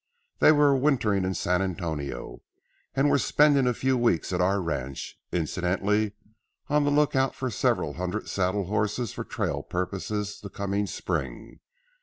They were wintering in San Antonio, and were spending a few weeks at our ranch, incidentally on the lookout for several hundred saddle horses for trail purposes the coming spring.